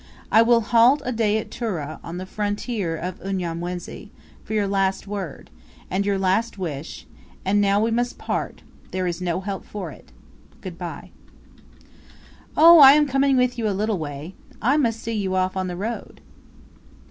I will halt a day at Tura, on the frontier of Unyamwezi, for your last word, and your last wish; and now we must part there is no help for it. Good bye." "Oh, I am coming with you a little way. I must see you off on the road."